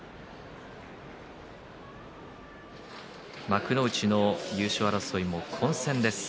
幕内の優勝争いも混戦です。